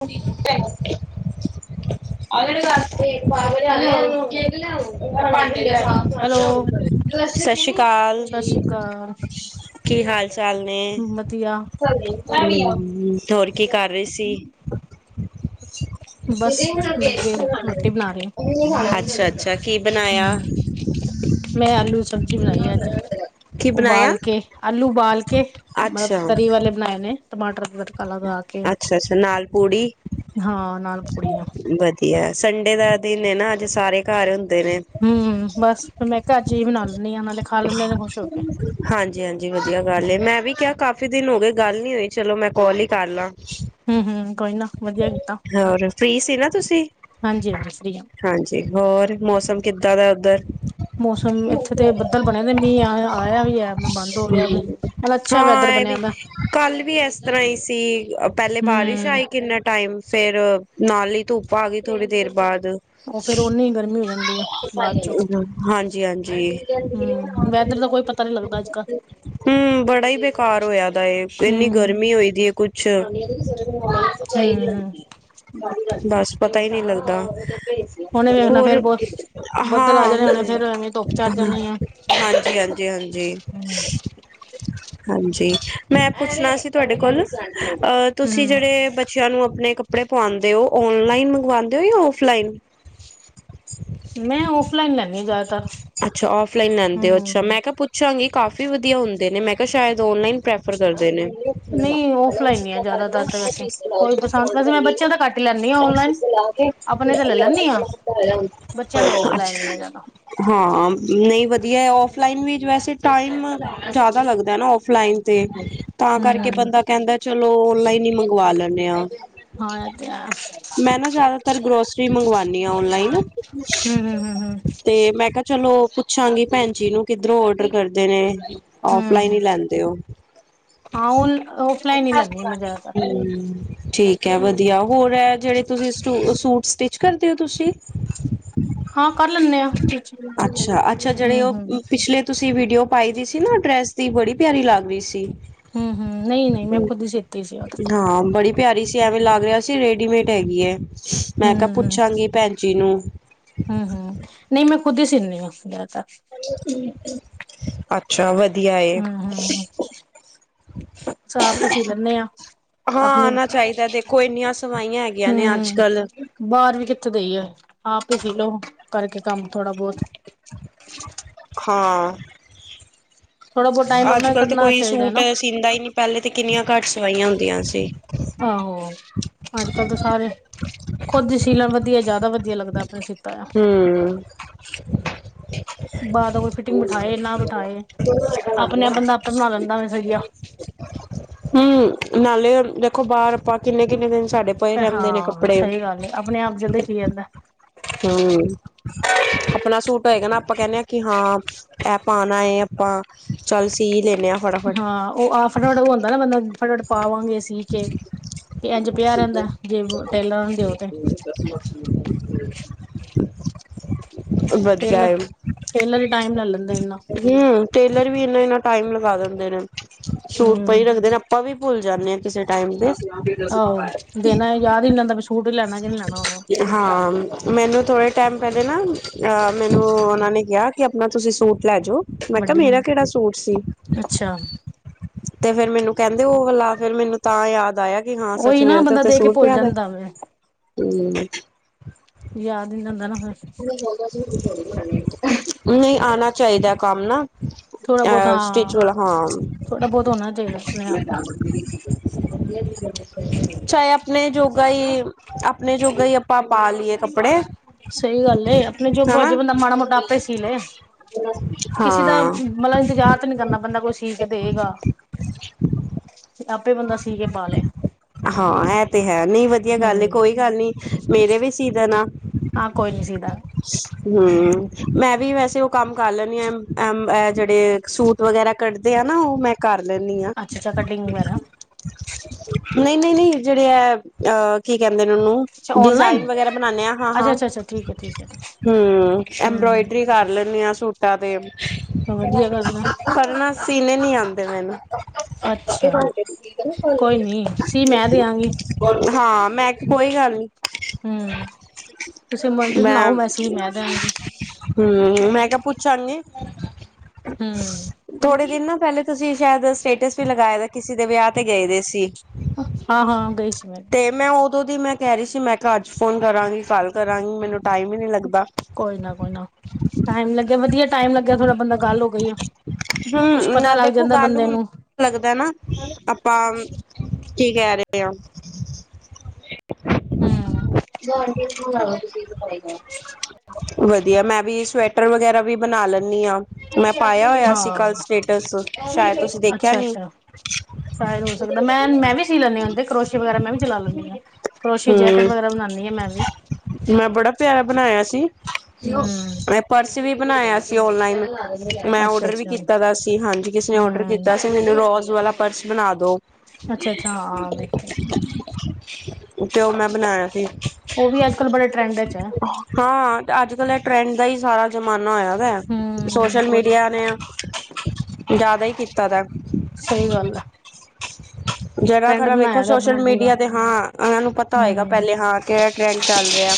ਪੈ। [unintelligible] ਹੈਲੋ [unintelligible] ਸਸ ਸ਼੍ਰੀ ਕਾਲ ਸਤਿ ਸ੍ਰੀ ਅਕਾਲ ਕੀ ਹਾਲ ਚੱਲ ਨੇ, ਵਧੀਆ ਹੋਰ ਕੀ ਕਰ ਰਏ ਸੀ। [inaudible] ਬਸ ਲੱਗੇ ਰੋਟੀ ਬਣਾ ਰਹੇ ਅੱਛਾ-ਅੱਛਾ ਕੀ ਬਣਾਇਆ। ਹਮ ਮੈਂ ਆਲੂ ਸਬਜ਼ੀ ਬਣਾਈ। ਅੱਜ ਕੀ ਬਣਾਇਆ ਉਬਾਲ ਕੇ। ਆਲੂ ਉਬਾਲ ਕੇ, ਮਤਲਬ ਅੱਛਾ ਤਰੀ ਵਾਲੇ ਬਣਾਏ ਨੇ ਟਮਾਟਰ। ਕਲਬ ਲਾ ਕੇ ਅੱਛਾ ਅੱਛਾ ਨਾਲ ਪੂੜੀ ਹਾਂ, ਨਾਲ ਪੂੜੀਆਂ। ਵਦੀਆ ਸੰਡੇ ਦਾ ਦਿਨ ਨਾ ਅੱਜ ਸਾਰੇ ਘਰ ਹੁੰਦੇ ਨੇ। ਹੂੰ, ਬਸ ਫਿਰ ਮੈਂ ਕਿਆ ਅੱਜ ਏਹੀ ਬਣਾ ਲੈਣੀ ਆ ਨਾਲੇ ਖਾ ਲੈਂਦੇ ਨੇ ਖੁਸ਼ ਹੋ ਕੇ। ਹਾਂਜੀ-ਹਾਂਜੀ ਵਦੀਆ ਗੱਲ ਐ, ਮੈਂ ਵੀ ਕਿਆ ਕਾਫ਼ੀ ਦਿਨ ਹੋ ਗਏ ਗੱਲ ਨੀ ਹੋਈ ਚਲੋ ਮੈਂ ਕੋਲ ਈ ਕਰ ਲਾਂ। ਹੂੰ-ਹੂੰ, ਕੋਈ ਨਾ ਵਦੀਆ ਕਿ ਹੋਰ ਫ੍ਰੀ ਸੀ ਨਾ ਤੁਸੀਂ, ਹਾਂਜੀ ਹਾਂਜੀ ਫਰੀ ਆ ਹਾਂਜੀ, ਹੋਰ ਮੌਸਮ ਕਿੱਦਾਂ ਦਾ ਉੱਧਰ਼। ਮੌਸਮ ਇੱਥੇ ਤੇ ਬੱਦਲ ਬਣੇ ਦੇ ਮੀਹ ਆਯਾ ਆਇਆ ਵੀ ਐ ਮੈਂ ਬੰਦ ਹੋ ਗਿਆ। ਮਤਲਬ ਅੱਛਾ ਹਾਂ, ਵੈਦਰ ਇਹ ਬਣਿਆ ਵੀ ਦਾ ਕੱਲ ਵੀ ਇਸ ਤਰਾਂ ਈ ਸੀ, ਪਹਿਲੇ ਬਾਰਿਸ਼ ਹਮ ਆਈ ਕਿੰਨਾ ਟਾਈਮ ਫੇਰ ਨਾਲ ਈ ਧੁੱਪ ਆ ਗਈ ਥੋੜੀ ਦੇਰ ਬਾਦ। ਉਹ ਫੇਰ ਓਨੀ ਈ ਗਰਮੀ ਓ ਜਾਂਦੀ ਆ ਬਾਅਦ ਚੋਂ ਹਾਂਜੀ-ਹਾਂਜੀ। ਹੂੰ, ਵੈਦਰ ਦਾ ਕੋਈ ਪਤਾ ਨੀ ਲੱਗਦਾ ਅੱਜ ਕੱਲ ਹੂੰ, ਬੜਾ ਈ ਬੇਕਾਰ ਹੋਇਆ ਦਾ ਏ, ਇੰਨੀ ਹਮ ਗਰਮੀ ਹੋਈ ਦੀ ਏ ਕੁੱ ਛ ਹਮ ਬਸ ਪਤਾ ਈ ਨੀ ਲੱਗਦਾ। ਹੁਣੇ ਵੇਖਣਾ ਹੋਰ ਫੇਰ ਬਹੁਤ ਬੱਦਲ ਆ ਹਾਂ ਜਾਣੇ ਹੁਣੇ ਫੇਰ ਐਵੇਂ ਧੁੱਪ ਚੜ ਹੁਣ ਜਾਣੀ ਆ ਹਾਂਜੀ, ਹਾਂਜੀ, ਹਾਂਜੀ। ਹਮ ਹਾਂਜੀ, ਮੈਂ ਪੁੱਛਣਾ ਸੀ ਤੁਆਡੇ ਕੋਲ ਅਹ ਤੁਸੀਂ ਜੇੜੇ ਬੱਚਿਆਂ ਨੂੰ ਅਪਣੇਂ ਕੱਪੜੇ ਪਵਾਂਦੇ ਓ, ਓਨਲਾਈਨ ਮੰਗਵਾਉਂਦੇ ਓ ਯਾ ਓਫਲਾਈਨ। ਮੈਂ ਓਫ ਲਾਈਨ ਲੈਣੀ ਆ ਜੈ ਅੱਛਾ, ਓਫਲਾਈਨ ਲੈਂਦੇ ਓ ਅੱਛਾ, ਮੈਂ ਕਿਆ ਪੁੱ ਪੁੱਛਾਂਗੀ ਕਾਫੀ ਵਦੀਆ ਹੁੰਦੇ ਨੇ ਮੈਂ ਕਿਆ ਸ਼ਇਦ ਓਨਲਾਈਨ ਪ੍ਰੈਫਰ ਕਰਦੇ ਨੇ। [unintelligible] ਪੈਲਾ ਨਹੀਂ ਇਹਨੁ ਔਫਲਾਈਨ ਹੀ ਆ ਸਿੱਧਾ ਕਰਕੇ ਨਾ ਜ਼ਿਆਦਾਤਰ ਤਾਂ ਇਹ ਵੈਸੇ ਚੀਜ਼ ਤੇ ਲਓ ਕੋਈ ਜਿੱਥੇ ਪਸੰਦ ਫੋਲਡ ਵੈਸੇ ਮੈਂ ਕਰਨੀ ਆ, ਬੱਚਿਆਂ ਦਾ ਘੱਟ ਹੀ ਲੈਂਦੀ ਹਾਂ ਇਹ ਚੀਜ਼ ਔਨਲਾਈਨ ਤੇ ਲਾ ਕੇ ਆਪਣੇ ਫਿਰ ਤੇ [unintelligible] ਲੈ ਗਲਾਂ ਲੈਂਦੀ ਹਾਂ ਸਿੱਧਾ ਆਯਾ ਹੁਣ, ਬੱਚਿਆਂ ਦੇ ਔਫਲਾਈਨ ਹੀ ਆ ਅੱਛਾ। ਜ਼ਿਆਦਾ ਹਾ, ਨਈ ਵਦੀਆ ਓਫਲਾਈਨ ਵਿਚ ਵੈਸੇ ਟਾਈਮ ਜੈਦਾ ਲੱਗਦਾ ਨਾ ਓਫਲਾਈਨ ਤੇ, ਤਾਂ ਹਮ ਕਰਕੇ ਬੰਦਾ ਕੈਂਦਾ ਚਲੋ ਓਨਲਾਈਨ ਈ ਮੰਗਵਾ ਲੈਣੇ ਆ। ਹਾਂ, ਇਹ ਤਾਂ ਐ। ਮੈਂ ਨਾ ਜਿਆਦਾਤਰ ਗਰੋਸਰੀ ਮੰਗਵਾਣੀ ਆ ਓਨਲਾਈਨ ਹਮ ਹਮ ਹਮ ਤੇ ਮੈਂ ਕਿਆ, ਚਲੋ, ਪੁੱਛਾਂਗੀ ਭੈਣ ਜੀ ਨੂੰ ਕਿੱਧਰੋਂ ਓਡਰ ਕਰਦੇ ਨੇ। ਹਮ ਓਫਲਾਈਨ ਹਮ ਈ ਲੈਂਦੇ ਓ। ਹਾਂ ਔਫਲਾਈਨ ਹੀ ਹੂੰ, ਲੈਂਦੀ ਮੈਂ ਜ਼ਿਆਦਾਤਰ ਠੀਕ। ਠੀਕ ਐ ਵਦੀਆ, ਹੋਰ ਐ ਜੇੜੇ ਤੁਸੀ ਸੂ ਸੂਟ ਸਟਿਚ ਕਰਦੇ ਓ ਤੁਸੀਂ? ਹਾਂ, ਕਰ ਲੈਣੇ ਆ। ਟੀਚ ਅੱਛਾ, ਅੱਛਾ ਜੇੜੇ ਹੂੰ ਉਹ ਹੂੰ ਪਿਛਲੇ ਤੁਸੀਂ ਵੀਡੀਓ ਪਾਈ ਦੀ ਸੀ ਨਾ ਡਰੈਸ ਦੀ, ਬੜੀ ਪਿਆਰੀ ਲੱਗ ਰਈ ਸੀ। ਹੂੰ-ਹੂੰ, ਨਈ-ਨਈ ਮੈਂ ਖੁਦ ਈ ਸੀਤੀ ਸੀ ਉਹ ਤਾਂ। ਹਾਂ ਬੜੀ ਪਿਆਰੀ ਸੀ, ਐਵੇਂ ਲੱਗ ਰਿਆ ਸੀ ਰੇਡੀਮੇਡ ਹੈਗੀ ਐ। ਹੂੰ-ਹੂੰ। ਹੂੰ-ਹੂੰ, ਨਈ ਮੈਂ ਖੁਦ ਈ ਸੀਣੀ ਆ, ਮੇਰਾ ਤਾ ਅੱਛਾ, ਵਦੀਆ ਏ। ਹੂੰ ਸਾਫ਼ ਹੀ ਸੀ ਲੈਂਦੇ ਆ। ਹਾਂ ਆਪਣੀ ਆਉਣਾ ਚਾਹੀਦਾ ਦੇਖੋ ਇੰਨੀਆਂ ਸਵਾਈਆਂ ਹੈਗੀਆਂ ਨੇ ਅੱਜ ਹੂੰ ਕੱਲ ਬਾਹਰ ਵੀ ਕਿੱਥੇ ਦੇਈ ਏ, ਆਪ ਹੀ ਸੀ ਲਓ ਕਰਕੇ ਕੰਮ ਥੋੜਾ ਬਹੁਤ। ਹਾਂ ਥੋੜਾ ਬਹੁਤ ਟਾਈਮ ਅੱਜ ਆਪਣਾ ਕਲ ਤਾਂ ਕੱਢਣਾ ਕੋਈ ਚਾਹੀਦਾ ਸੂਟ ਨਾ ਸੀਦਾ ਹੀ ਨਹੀਂ, ਪਹਿਲੇ ਤੇ ਕਿੰਨੀਆਂ ਘੱਟ ਸਵਾਈਆਂ ਹੁੰਦੀਆਂ ਸੀ। ਆਹੋ ਅੱਜ ਕੱਲ੍ਹ ਤਾਂ ਸਾਰੇ ਖੁੱਦ ਸੀ ਲੈਣ ਵਧੀਆ ਜ਼ਿਆਦਾ ਵਧੀਆ ਲੱਗਦਾ ਆਪਣੇ ਸੀ ਹੂੰ। ਬਾਰ ਓ ਫਿਟਿੰਗ ਬਿਠਾਏ ਨਾ ਬਿਠਾਏ, ਅਪਣੇ-ਆਪ ਬੰਦਾ ਆਪੇ ਬਣਾ ਲੈਂਦਾ ਵੈਸੇ ਵਦੀਆ। ਹੂੰ, ਨਾਲੇ ਦੇਖੋ ਬਾਰ ਆਪਾਂ ਕਿੰਨੇ-ਕਿੰਨੇ ਦਿਨ ਸਾਡੇ ਪਏ ਰਹਿੰਦੇ ਨੇ ਹਾਂ ਕੱਪੜੇ। ਸਹੀ ਗੱਲ ਏ ਆਪਣੇ ਆਪ ਜਿਆਦਾ ਸੀ ਲੈਂਦਾ। ਹੂ ਹੂ ਆਪਣਾ ਸੂਟ ਹੋਏਗਾ ਨਾ ਆਪਾਂ ਕਹਿੰਦੇ ਆ ਕਿ ਹਾਂ, ਏਹ ਪਾਣਾ ਏ ਆਪਾਂ ਚੱਲ ਸੀ ਲੈਣੇ ਆ। ਫਟਾਫਟ ਹਾਂ, ਉਹ ਆਪ ਫਟਾਫਟ ਬਣਾਉਂਦਾ ਨਾ ਬੰਦਾ। ਫਟਾ ਫਟ ਪਾਵਾਂਗੇ ਸੀ ਕੇ, ਤੇ ਇੰਜ ਪਿਆ ਰਹਿੰਦਾ ਜੇ ਟੇਲਰਾਂ ਨੂੰ ਦਿਓ ਤੇ। ਹੂੰ ਟੇਲਰ, ਟੇਲਰ ਹੀ ਟਾਈਮ ਲੈ ਲੈਂਦੇ ਇੰਨਾ। ਹੂ, ਟੇਲਰ ਵੀ ਏਨਾ ਏਨਾ ਟਾਈਮ ਲਗਾ ਦਿੰਦੇ ਨੇ, ਸੂਟ ਪਈ ਹੂੰ ਰੱਖਦੇ ਨੇ। ਆਪਾਂ ਵੀ ਭੁੱਲ ਜਾਂਦੇ ਆ ਕਿਸੇ ਟਾਈਮ ਤੇ। ਆਹੋ ਦੇਣਾ ਯਾਦ ਹੀ ਨੀ ਰਹਿੰਦਾ ਸੂਟ ਹੀ ਲੈਣਾ ਕਿ ਨੀ ਲੈਣਾ ਹੁਣ ਹਾਂ ਮੈਨੂੰ ਥੋੜ੍ਹੇ ਟਾਈਮ ਪਹਿਲੇ ਨਾ ਮੈਨੂੰ ਉਹਨਾਂ ਨੇ ਕਿਹਾ ਕਿ ਆਪਣਾ ਤੁਸੀਂ ਸੂਟ ਲੈ ਜਾਓ, ਮੈਂ ਕਿਹਾ ਵੱਡੀ ਮੇਰਾ ਕਿਹੜਾ ਸੂਟ ਸੀ। ਅੱਛਾ ਤੇ ਫੇਰ ਮੈਨੂੰ ਕਹਿੰਦੇ ਉਹ ਵਾਲਾ ਫੇਰ ਮੈਨੂੰ ਤਾਂ ਯਾਦ ਆਇਆ। ਕਿ ਹਾਂ ਸੱਚ ਉਹੀ ਨਾ ਮੇਰਾ ਤੇ ਬੰਦਾ ਉੱਥੇ ਦੇ ਕੇ ਸੂਟ ਭੁੱਲ ਪਿਆਦਾ ਜਾਂਦਾ ਵੇ ਹਮ ਯਾਦ ਨੀ ਰਹਿੰਦਾ ਨਾ ਫਿਰ [inaudible] ਨਹੀਂ ਆਉਣਾ ਚਾਹੀਦਾ ਕੰਮ ਨਾ ਥੋੜਾ ਬਹੁਤ ਅ ਸਟਿਚ ਹਾਂ ਵਾਲਾ ਹਾਂ ਥੋੜਾ ਬਹੁਤ ਹੋਣਾ ਚਾਹੀਦਾ ਆਪਣੇ ਆਪ ਨੂੰ ਚਾਹੇ ਆਪਣੇ ਜੋਗਾ ਹੀ ਆਪਣੇ ਜੋਗਾ ਹੀ ਆਪਾਂ ਪਾ ਲਈਏ ਕੱਪੜੇ ਸਹੀ ਗੱਲ ਏ, ਆਪਣੇ ਜੋਗਾਂ ਹਨਾ। ਬੰਦਾ ਮਾੜਾ ਮੋਟਾ ਆਪੇ ਸੀ ਲੇ ਕਿਸੇ ਦਾ ਹਾਂ। ਮਤਲਬ ਇੰਤਜ਼ਾਰ ਤਾਂ ਨਹੀ ਕਰਨਾ ਬੰਦਾ ਕੋਈ ਸੀ ਕੇ ਦੇਗਾ। ਆਪੇ ਬੰਦਾ ਸੀ ਕੇ ਪਾ ਲੇ। ਹਾਂ ਇਹ ਤੇ ਹੈ ਨਹੀਂ ਵਧੀਆ ਗੱਲ ਕੋਈ ਹੂੰ। ਕੋਈ ਗੱਲ ਨੀ ਮੇਰੇ ਵੀ ਸੀ ਦੇਨਾ। ਹਾਂ ਕੋਈ ਨੀ ਸੀਧ ਹਮ ਮੈਂ ਵੀ ਵੈਸੇ ਉਹ ਕੰਮ ਕਰ ਲੈਦੀ ਆ ਜਿਹੜੇ ਸੂਟ ਵਗੈਰਾ ਕੱਢਦੇ ਆ ਨਾ ਉਹ ਮੈਂ ਕਰ ਲੈਂਦੀ ਹਾਂ। ਅੱਛਾ ਕਟਿੰਗ ਵਗੈਰਾ। ਨਹੀਂ, ਨਹੀਂ, ਨਹੀਂ ਜਿਹੜੇ ਹੈ ਅਹ ਕੀ ਕਹਿੰਦੇ ਨੇ ਉਹਨੂੰ ਅੱਛਾ ਔਨਲਾਈਨ ਡਿਜ਼ਾਇਨ ਵਗੈਰਾ ਬਣਾਦੇ ਆ ਹਾਂ, ਹਾਂ ਅੱਛਾ-ਅੱਛਾ-ਅੱਛਾ ਠੀਕ ਐ-ਠੀਕ ਐ। ਹਮ ਹੂੰ-ਹੂੰ। ਐਬਰੋਇਡਰੀ ਕਰ ਲੈਂਦੇ ਹਾਂ ਸੂਟ ਕਦੇ ਵਧੀਆ ਗੱਲ ਆ ਪਰ ਨਾ ਸੀਨੇ ਨੀ ਆਉਂਦੇ ਮੈਨੂੰ ਅੱਛਾ ਕੋਈ ਨਹੀਂ ਸੀ ਮੈਂ ਦੇਆਂਗੀ। ਹਾਂ ਮੈਂ ਕਿਹਾ ਕੋਈ ਗੱਲ ਨੀ। ਹੂੰ। ਤੁਸੀਂ ਮੰਡੀ ਮੈਂ ਬਣਾਓ ਸੀ ਮੈਂ ਦਿਆਂਗੀ। ਹਮ ਮੈਂ ਕਆ ਪੁੱਛਾ ਗੀ ਹੂੰ। ਥੋੜੇ ਦਿਨ ਨਾ ਪਹਿਲੇ ਤੁਸੀਂ ਸ਼ਾਇਦ ਸਟੇਟਸ ਵੀ ਲਗਾਏ ਦੇ ਕਿਸੇ ਦੇ ਵਿਆਹ ਤੇ ਗਏ ਦੇ ਸੀ, ਹਾਂ-ਹਾਂ ਗਈ ਸੀ ਤੇ ਮੈਂ ਉਦੋਂ ਦੀ ਮੈਂ ਕਹਿ ਰਹੀ ਸੀ ਮੈਂ ਘਰ ਚ ਫੋਨ ਕਰਾਂਗੀ ਕੱਲ ਕਰਾਂਗੀ ਮੈਨੂੰ ਟਾਈਮ ਹੀ ਨਹੀ ਲੱਗਦਾ। ਕੋਈ ਨਾ ਕੋਈ ਨਾ ਟਾਈਮ ਲੱਗਿਆ ਵਧੀਆ ਟਾਈਮ ਲੱਗਿਆ ਥੋੜਾ ਬੰਦਾ ਗੱਲ ਹੋ ਗਈ ਆ। ਕੁੱਛ ਹਮ ਪਤਾ ਨਾ ਲੱਗ ਦੇਖੋ ਜਾਂਦਾ ਗੱਲ ਬੰਦੇ ਹੁਣ ਨੂੰ। ਲੱਗਦਾ ਨਾ ਆਪਾਂ ਕੀ ਕਹਿ ਰਹੇ ਆ। ਹੂੰ। [unintelligible] ਵਧੀਆ ਮੈਂ ਵੀ ਸਵੈਟਰ ਵਗੈਰਾ ਵੀ ਬਣਾ ਲੈਨੀ ਹਾ। ਮੈਂ ਪਾਇਆ ਹੋਇਆ ਸੀ ਕੱਲ ਹਾਂ ਸਟੇਟਸ ਸ਼ਾਇਦ ਤੁਸੀਂ ਦੇਖਿਆ ਨੀ। ਅੱਛਾ-ਅੱਛਾ ਸ਼ਾਇਦ ਹੋ ਸਕਦਾ ਮੈਂ, ਮੈਂ ਵੀ ਸੀ ਲੈਨੀ ਆ ਹੁਣ ਤੇ ਕਰੋਸ਼ੇ ਵਗੈਰਾ ਮੈਂ ਵੀ ਚਲਾ ਲੈਨੀ ਹਾ। ਕਰੋਸ਼ੀ ਹੂੰ ਜੈਕਟ ਵਗੈਰਾ ਬਣਾਨੀ ਹਾ ਮੈਂ ਵੀ। ਮੈਂ ਬੜਾ ਪਿਆਰਾ ਬਣਾਇਆ ਸੀ। ਹੂੰ ਪਰਸ ਵੀ ਬਣਾਇਆ ਸੀ ਓਨਲਾਈਨ ਮੈਂ ਔਡਰ ਵੀ ਅੱਛਾ-ਅੱਛਾ ਕੀਤਾ ਦਾ ਸੀ, ਹਾਂਜੀ ਕਿਸੇ ਨੇ ਔਡਰ ਹੂੰ ਕੀਤਾ। ਮੈਨੂੰ ਰੋਜ ਵਾਲਾ ਪਰਸ ਬਣਾ ਦੋ। ਅੱਛਾ-ਅੱਛਾ ਹਾ ਵੇਖੇ ਆ ਸੀ। ਤੇ ਉਹ ਮੈਂ ਬਣਾਇਆ ਸੀ। ਉਹ ਵੀ ਅੱਜ-ਕੱਲ੍ਹ ਬੜੇ ਟਰੈਂਡ ਚ ਹੈ ਹਾ ਅੱਜ ਕੱਲ ਇਹ ਟਰੈਂਡ ਦਾ ਹੀ ਸਾਰਾ ਜਮਾਨਾ ਹੋਈਆ ਹੂੰ ਸੋਸ਼ਲ ਬਹੁਤ ਮੀਡੀਆ ਨੇ ਜਾਦਾ ਹੀ ਕੀਤਾ ਦਾ। ਸਹੀ ਗੱਲ ਹੈ ਜੇੜਾ ਟਰੈਂਡ ਖਰਾ ਵੇਖੋ ਬਣਾਇਆ ਦਾ ਆਪਣਾ ਸੋਸ਼ਲ ਪੂਰਾ ਮੀਡੀਆ ਤੇ ਹਾਂ ਇਹਨਾਂ ਨੂੰ ਪਤਾ ਹੋਏਗਾ ਹੂੰ ਪਹਿਲੇ ਹਾਂ ਕੇ ਕੇੜਾ ਟ੍ਰੇਡ ਚੱਲ ਰਿਹਾ।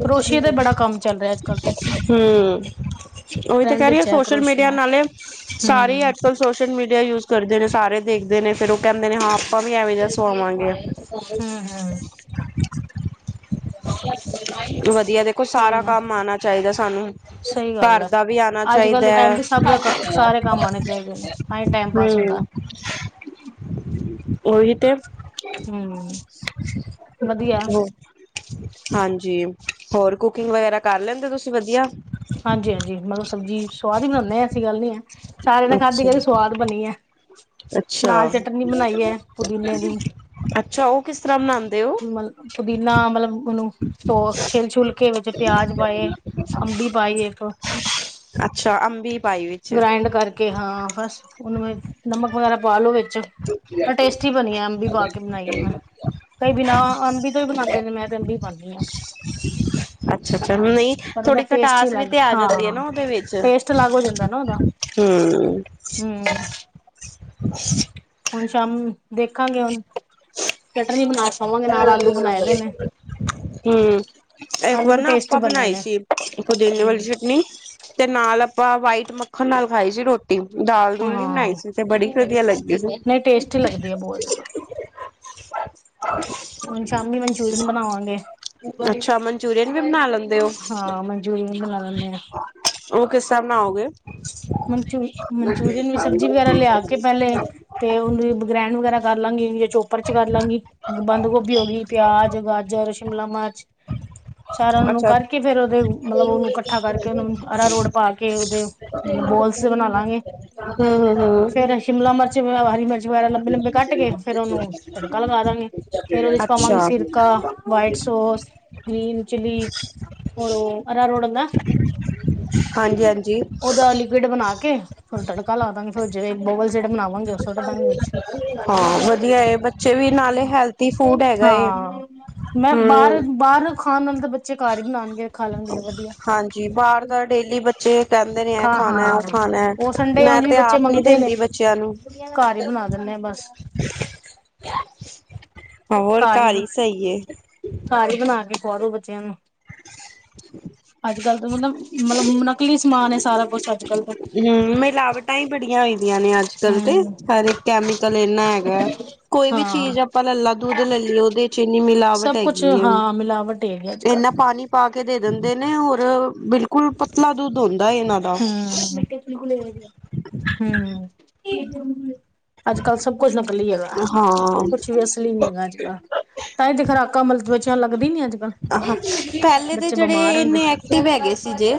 ਕਰੋਸ਼ੀਏ ਦਾ ਬੜਾ ਕੰਮ ਚੱਲ ਰਿਹਾ ਅੱਜ-ਕੱਲ੍ਹ ਤੇ ਹੁ। ਉਹੀ ਤਾਂ ਟਰੈਂਡ ਕਹਿ ਰਹੀ ਆ ਵਿੱਚ ਹੈ ਸੋਸ਼ਲ ਕਰੋਸ਼ੀਏ ਮੀਡੀਆ ਦਾ ਨਾਲੇ ਸਾਰੀ ਅੱਜਕਲ ਸੋਸ਼ਲ ਮੀਡੀਆ ਯੂਜ ਕਰਦੇ ਨੇ ਸਾਰੇ ਦੇਖਦੇ ਨੇ ਫੇਰ ਉਹ ਕਹਿੰਦੇ ਨੇ ਹਾ ਆਪਾਂ ਵੀ ਐਵੇ ਦਾ ਸੁਵਾਵਾਂਗੇ। ਹੂੰ-ਹੂੰ-ਹੂੰ [unintelligible] ਵਧੀਆ ਦੇਖੋ ਕੋਈ ਸਾਰਾ ਨਾ ਕੰਮ ਆਨਾ ਚਾਹੀਦਾ ਸਾਨੂੰ। ਸਹੀ ਗੱਲ ਘਰ ਹੈ। ਦਾ ਵੀ ਆਉਣਾ ਅੱਜ-ਕੱਲ੍ਹ ਦੇ ਚਾਹੀਦਾ ਟਾਈਮ ਤੇ ਸਭ ਦਾ ਸਾਰੇ ਕੰਮ ਆਣੇ ਚਾਹੀਦੇ ਨੇ ਤਾਂ ਹੀ ਟਾਈਮ ਪਾਸ ਹੁੰਦਾ ਹਮ। ਉਹ ਹੀ ਤੇ। ਹੂੰ ਵਧੀਆ ਹਾਂਜੀ ਹੋਰ ਕੁਕਿੰਗ ਵਗੈਰਾ ਕਰ ਲੈਂਦੇ ਤੁਸੀਂ ਵਧੀਆ ਹਾਂਜੀ-ਹਾਂਜੀ ਮੈਨੂੰ ਸਬਜ਼ੀ ਸੁਵਾਦ ਹੀ ਬਨਾਨੇ ਆ ਐਸੀ ਗੱਲ ਨਹੀਂ ਹੈ। ਸਾਰਿਆਂ ਨੇ ਖਾਧੀ ਕਹਦੇ ਅੱਛਾ ਸਵਾਦ ਬਨੀ ਹੈ। ਅੱਛਾ, ਨਾਲ ਚਟਨੀ ਬਣਾਈ ਹੈ ਪੁਦੀਨੇ ਦੀ ਅੱਛਾ ਉਹ ਕਿਸ ਤਰਾ ਬਣਾਦੇ ਹੋ। ਮਤਲਬ ਪੁਦੀਨਾ ਮਤਲਬ ਉਹਨੂੰ ਤੋੜ ਕੇ ਛਿਲ-ਛੁਲ ਕੇ ਵਿੱਚ ਪਿਆਜ ਪਾਏ ਅੰਬੀ ਪਾਈ ਇਕ ਅੱਛਾ ਅੰਬੀ ਪਾਈ ਵਿੱਚ ਗ੍ਰਾਇੰਡ ਕਰ ਕੇ ਹਾਂ ਬਸ ਉਹਨੂੰ ਬਈ ਨਮਕ ਵਗੈਰਾ ਪਾ ਲੋੋ। ਚ ਟੇਸਟੀ ਬਣੀ ਆ ਅੰਬੀ ਪਾ ਕੇ ਬਣਾਈ ਏ ਮੈਂ। ਕਈ ਬਿਨਾਂ ਅੰਬੀ ਤੋਂ ਹੀ ਬਣਾਦੇ ਨੇ ਮੈਂ ਤੇ ਅੰਬੀ ਪਾਨੀ ਆ। ਅੱਛਾ-ਅੱਛਾ ਨਈ ਉਹਦਾ ਥੋੜੀ ਟੇਸਟ ਖਟਾਸ ਵੀ ਅਲੱਗ ਤੇ ਆ ਹਾਂ ਜਾਂਦੀ ਹੈ ਨਾ ਉਹਦੇ ਵਿੱਚ ਟੇਸਟ ਅਲੱਗ ਹੋ ਜਾਂਦਾ ਨਾ ਉਹਦਾ। ਹਮ ਹਮ ਚੰਮ ਦੇਖਾਂਗੇ ਹੁਣ। [unintelligible] ਨਾਲ ਆਲੂ ਬਣਾਏ ਦੇ ਨੇ। ਹਮ ਇੱਕ ਆਲੂ ਵਾਰ ਵੀ ਨਾ ਟੇਸਟੀ ਆਪਾਂ ਬਣੇ ਬਣਾਈ ਨੇ ਸੀ ਪੁਦੀਨੇ ਵਾਲੀ ਹੂੰ ਚਟਨੀ। ਤੇ ਨਾਲ ਆਪਾਂ ਵਾਈਟ ਮੱਖਣ ਨਾਲ ਖਾਈ ਸੀ ਰੋਟ ਦਾਲ ਦੁਲ ਨੀ ਬਣਾਈ ਹਾਂ ਸੀ ਤੇ ਬੜੀ ਵਧੀਆ ਲੱਗੀ ਸੀ। ਹੋ ਜੇਗਾ। ਹਾਂ ਹੁਣ ਸ਼ਾਮੀ ਮਨਚੂਰਨ ਬਨਾਵਾਗੇ। ਅੱਛਾ ਮਨਚੂਰੀਅਨ ਵੀ ਬਣਾ ਲੈਂ ਹਾ ਮਨਚੂਰੀਅਨ ਵੀ ਬਣਾ ਲੈਨੇ ਹਾ। ਉਹ ਕਿਸ ਤਰ੍ਹਾਂ ਬਣਾਓਗੇ। ਮਨਚੂ ਮਨਚੂਰੀਅਨ ਵੀ ਸਬਜ਼ੀ ਵਗੈਰਾ ਲਿਆ ਕੇ ਪਹਿਲੇ ਤੇ ਉਹਨੂੰ ਵੀ ਗਰੈਂਡ ਵਗੈਰਾ ਕਰ ਲਾਂਗੀ [unintelligible] ਚੋਪਰ ਚ ਕਰ ਲਾਂਗੀ ਬੰਦ ਗੋਭੀ ਹੋ ਗਈ ਪਿਆਜ, ਗਾਜਰ, ਸ਼ਿਮਲਾ ਮਿਰਚ। ਸਾਰਿਆਂ ਨੂੰ ਅੱਛਾ ਕਰਕੇ ਫੇਰ ਉਹਦੇ ਮਤਲਬ ਉਨੂੰ ਕੱਠਾ ਕਰਕੇ ਉਹ ਆਰਾ ਰੋਡ ਪਾ ਕੇ ਉਦੇ ਮਤਲਬ ਬੋਲਸ ਬਣਾ ਲਾਗੇ। ਹਮ- ਹਮ -ਹਮ ਫੇਰ ਸ਼ਿਮਲਾ ਮਿਰਚ, ਹਰੀ ਮਿਰਚ ਵਗੈਰਾ ਲੰਬੇ- ਲੰਬੇ ਕੱਟ ਕੇ ਫੇਰ ਉਹਨੂੰ ਤੜਕਾ ਲਗਾ ਦਾਂਗੇ ਫੇਰ ਉਹਦੇ ਚ' ਅੱਛਾ ਪਾਵਾਂਗੇ ਸਿਰਕਾ, ਹਾਂਜੀ ਵਾਈਟ ਸੋਸ ਗੀਨ ਚੀਲੀ ਹੋਰ ਅਰਰੋੜ ਦਾ ਹਾਂਜੀ-ਹਾਂਜੀ ਉਹਦਾ ਲਿਕੁਿਡ ਉਹਦਾ ਬਣਾ ਕੇ ਫਿਰ ਤੜਕਾ ਲਾ ਦਾਂਗੇ ਫਿਰ ਜਿਹੜਾ ਬਾਲ- ਜਿਹੜਾ ਮਨਾਵਾਂਗੇ ਉਸ ਸੋਢ ਦਾਗੇ ਵਿੱਚ ਹਾਂ ਵਧੀਆ ਏ ਬੱਚੇ ਵੀ ਨਾਲੇ ਹੈਲਥੀ ਫੂਡ ਹੈਗਾ ਏ ਹਾਂ। ਮੈਂ ਬਾਹਰ- ਹਮ ਬਾਹਰ ਖਾਣ ਨਾਲ ਤਾਂ ਬੱਚੇ ਘਰ ਹੀ ਬਣਾਉਣਗੇ। ਖਾ ਲੈਣਗੇ ਤਾਂ ਵਧੀਆ। ਹਾਂਜੀ। ਬਾਹਰ ਦਾ ਡੇਲੀ ਬੱਚੇ ਕਹਿੰਦੇ ਨੇ ਹੈ ਖਾ ਖਾਣਾ, ਹਾਂ ਉਹ ਖਾਣਾ ਉਹ ਸੰਡੇ ਉਝ ਮੈਂ ਵੀ ਤੇ ਬੱਚੇ ਆਪ ਨੀ ਮੰਗਦੇ ਨੇ। ਦਿੰਦੀ ਬੱਚਿਆਂ ਨੂੰ। ਘਰ ਹੀ ਬਣਾ ਦਿੰਦੇ ਹਾਂ, ਬਸ। ਹੋਰ ਘਰ ਹੀ ਸਹੀ। ਘਰ ਹੀ ਬਣਾ ਕੇ ਖਵਾ ਦੋ ਬੱਚਿਆਂ ਨੂੰ। ਅੱਜ ਕੱਲ ਦਾ ਮਤਲਬ ਮਤਲਬ ਨਕਲੀ ਸਮਾਨ ਹੈ ਸਾਰਾ ਕੁਛ ਅੱਜ ਕੱਲ ਦਾ। ਹਮ ਮਿਲਾਵਟਾਂ ਹੀ ਬੜੀਆਂ ਹੋਦੀਆਂ ਨੇ ਅੱਜ ਕਲ ਤੇ। ਹਮ ਹਰੇ ਇੱਕ ਕੈਮੀਕਲ ਇੰਨਾ ਹੈਗਾ ਹੈ। ਕੋਈ ਵੀ ਹਾਂ ਚੀਜ਼ ਆਪਾਂ ਲਲਾ ਦੁੱਧ ਲੈ ਲਈਏ। ਇੰਨੀ ਮਿਲਾਵਟ ਸਭ ਕੁਛ ਹੈਗੀ ਹੈ। ਹਾਂ ਮਿਲਾਵਟ ਹੈਗੀ ਅੱਜ ਕੱਲ ਇਹਨਾ। ਪਾ ਕੇ ਦੇ ਦਿੰਦੇ ਨੇ ਹੋਰ ਬਿਲਕੁਲ ਪਤਲਾ ਦੁੱਧ ਹੁੰਦਾ ਹੈ ਇਹਨਾਂ ਦਾ। ਹਮ ਹਮ। ਅੱਜ ਕੱਲ੍ਹ ਸਭ ਕੁਝ ਨਿਕਲੀ ਹੈਗਾ। ਹਾਂ, ਕੁਛ ਵੀ ਅਸੀਂ ਨੀ ਹੈਗਾ ਅੱਜ ਕੱਲ। ਤਾਂਹੀ ਤੇ ਖੁਰਾਕਾਂ ਮਤਲਬ ਬੱਚਿਆ ਲੱਗਦੀ ਨੀ ਅੱਜ। ਕੱਲ ਆਹਾਂ ਪਹਿਲੇ ਦੇ ਬੱਚੇ ਬਿਮਾਰ ਜਿਹੜੇ ਹੁੰਦੇ ਇੰਨੇ ਨੇ। ਐਕਟਿਵ ਹੈਗੇ ਸੀ ਜੇ।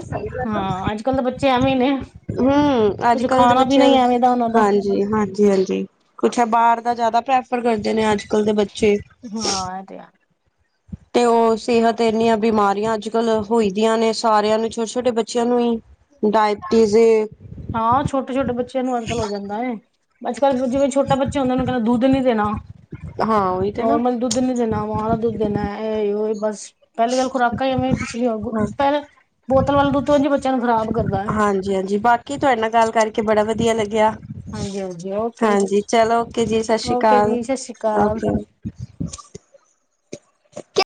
ਹਾਂ। ਅੱਜ ਕੱਲ੍ਹ ਤਾਂ ਬੱਚੇ ਐਵੇਂ ਹੀ ਨੇ। ਹਮ, ਅੱਜ ਕੁੱਝ ਕੱਲ ਦੇ ਖਾਣਾ ਪੀਣਾ ਬੱਚੇ ਹੀ ਐਵੇਂ ਦਾ ਉਹਨਾਂ ਦਾ ਹਾਂਜੀ -ਹਾਂਜੀ- ਹਾਂਜੀ ਕੁਛ ਹੈ ਬਾਹਰ ਦਾ ਜ਼ਿਆਦਾ ਪ੍ਰੈਫਰ ਕਰਦੇ ਨੇ ਅੱਜ ਕੱਲ੍ਹ ਦੇ ਬੱਚੇ। ਹਾਂ। ਇਹ ਤੇ ਆ। ਤੇ ਉਹ ਸਿਹਤ ਇੰਨੀਆਂ ਬਿਮਾਰੀਆਂ ਅੱਜ ਕੱਲ ਹੋਈ ਦੀਆਂ ਨੇ ਸਾਰਿਆਂ ਨੂੰ ਛੋਟੇ- ਛੋਟੇ ਬੱਚਿਆਂ ਨੂੰ ਹੀ। ਡਾਇਬਟੀਜ਼ੇ। ਹਾਂ, ਛੋਟੇ -ਛੋਟੇ ਬੱਚਿਆਂ ਨੂੰ ਅੱਜ ਕੱਲ ਹੋ ਜਾਂਦਾ ਏ। ਅੱਜ ਕੱਲ੍ਹ ਜਿਵੇਂ ਛੋਟਾ ਬੱਚੇ ਹੁੰਦੇ ਉਹਨੂੰ ਕਹਿੰਦਾ ਦੁੱਧ ਨੀ ਦੇਣਾ। ਹਾਂ ਉਹੀ ਤੇ ਨਾ। ਨੋਰਮਲ ਦੁੱਧ ਨੀ ਦੇਣਾ। ਮਾ ਦਾ ਦੁੱਧ ਦੇਣਾ ਇਹ ਉਹ ਬਸ। ਪਹਿਲੀ ਗੱਲ ਖੁਰਾਕਾਂ ਹੀ ਐਵੇਂ ਪਿਛਲੀਆਂ। ਹਾਂ, ਪਹਿਲ ਬੋਤਲ ਵੱਲ ਦੁੱਧ ਵਾਂ ਜੀ ਬੱਚਿਆਂ ਨੂੰ ਖਰਾਬ ਕਰਦਾ ਹੈ। ਹਾਂਜੀ, ਹਾਂਜੀ, ਬਾਕੀ ਤੁਹਾਡੇ ਨਾਲ ਗੱਲ ਕਰਕੇ ਬੜਾ ਵਧੀਆ ਲੱਗਿਆ। ਹਾਂਜੀ ਹਾਂਜੀ ਓਕੇ ਹਾਂਜੀ, ਚਲੋ ਓਕੇ ਜੀ, ਸਤਿ ਸ਼੍ਰੀ ਓਕੇ ਅਕਾਲ। ਜੀ ਸਤਿ ਸ਼੍ਰੀ ਅਕਾਲ ਓਕੇ। ਕੀ।